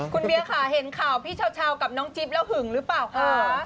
คุณเบียค่ะเห็นข่าวพี่เช้ากับน้องจิ๊บแล้วหึงหรือเปล่าคะ